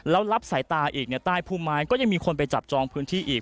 แล้วรับสายตาอีกใต้พุ่มไม้ก็ยังมีคนไปจับจองพื้นที่อีก